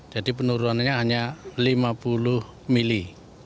jadi penurunannya hanya lima puluh mili